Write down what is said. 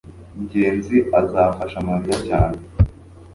ngenzi azafasha mariya cyane